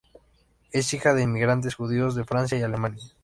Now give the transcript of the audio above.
Es hija de inmigrantes judíos de Francia y Alemania.